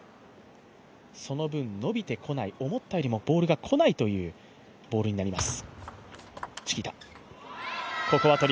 その分、伸びてこない、思ったよりもボールが来ないというボールになります。